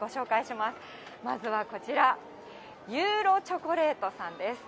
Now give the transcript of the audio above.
まずはこちら、ユーロチョコレートさんです。